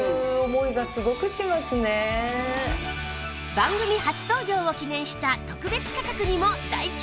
番組初登場を記念した特別価格にも大注目です！